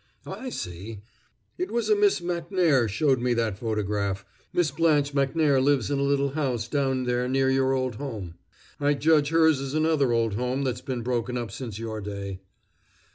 "I see. It was a Miss Macnair showed me that photograph Miss Blanche Macnair lives in a little house down there near your old home. I judge hers is another old home that's been broken up since your day."